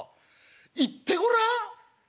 行ってごらん？